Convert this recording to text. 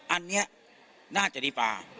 อันนี้น่าจะดีกว่า